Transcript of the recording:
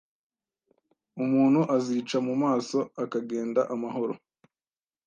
umuntu azica mu maso akagenda amahoro